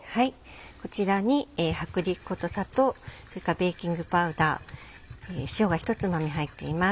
こちらに薄力粉と砂糖それからベーキングパウダー塩が一つまみ入っています。